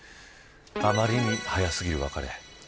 あまりに早すぎる別れ。